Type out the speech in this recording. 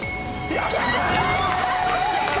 やった！